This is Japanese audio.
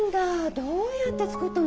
どうやって作ったの？